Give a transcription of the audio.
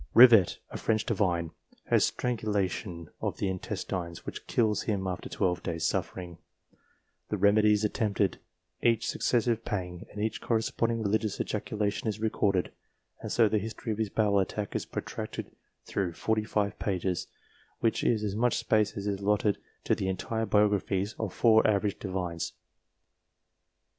Rivet, a French divine, has strangulation of the intestines, which kills him after twelve days' suffering. The remedies attempted, each successive pang, and each corresponding religious ejaculation is recorded, and so the history of his bowel attack is protracted through forty five pages, which is as much space as is allotted to the entire biographies of four average Divines.